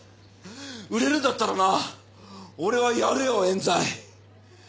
売れるんだったらな俺はやるよ冤罪。